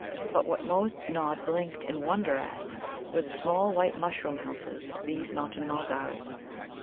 But what most Nod blinked in wonder at were the small white mushroom houses of these Mountain mulgars.